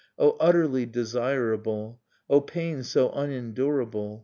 . Oh utterh' desirable! Oh pain so unendurable